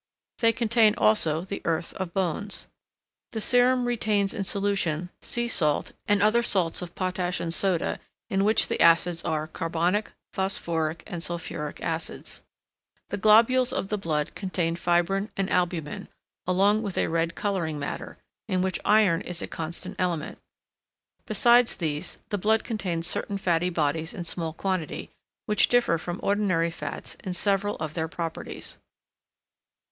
They contain also the earth of bones. The serum retains in solution sea salt and other salts of potash and soda, in which the acids are carbonic, phosphoric, and sulphuric acids. The globules of the blood contain fibrine and albumen, along with a red colouring matter, in which iron is a constant element. Besides these, the blood contains certain fatty bodies in small quantity, which differ from ordinary fats in several of their properties.